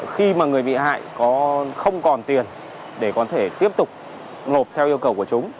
khi mà người bị hại không còn tiền để có thể tiếp tục nộp theo yêu cầu của chúng